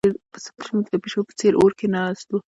پسه په ژمي کې د پيشو په څېر په اور کې ناست و.